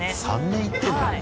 ３年行ってるんだ。